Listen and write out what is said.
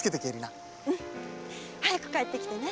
早く帰ってきてね。